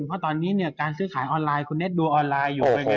เพราะตอนนี้เนี่ยการซื้อขายออนไลน์คุณเน็ตดูออนไลน์อยู่